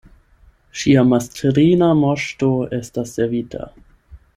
Ŝia mastrina Moŝto estas servita!